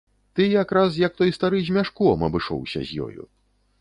Ты якраз, як той стары з мяшком, абышоўся з ёю.